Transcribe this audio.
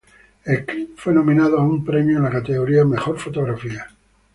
El clip fue nominado a un premio en la categoría Mejor fotografía.